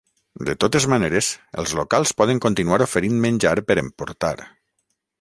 De totes maneres, els locals poden continuar oferint menjar per emportar.